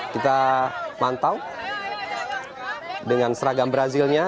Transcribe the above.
kita mantau dengan seragam brazil nya